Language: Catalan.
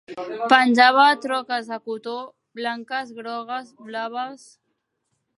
Penjaven troques de cotó, blanques, grogues, blaves...